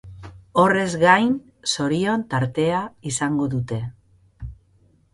Horrez gain, zorion tartea izango dute.